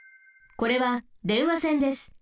これは電話線です。